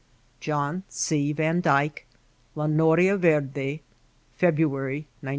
John C. Van Dyke. La Nokia Verde February, 1901.